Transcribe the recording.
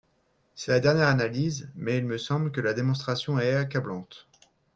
C’est la dernière analyse, mais il me semble que la démonstration est accablante.